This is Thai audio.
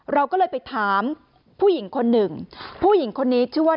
เราก็เลยไปถามผู้หญิงคนหนึ่งผู้หญิงคนนี้ชื่อว่า